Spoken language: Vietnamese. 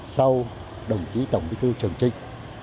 sau đồng chí tổng bí tư trường trinh